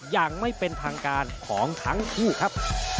อย่างไม่เป็นทางการของทั้งคู่ครับ